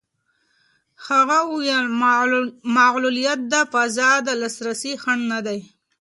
هغې وویل معلولیت د فضا د لاسرسي خنډ نه دی.